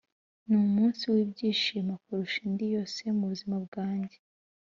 “Ni umunsi w’ibyishimo kurusha indi yose mu buzima bwanjye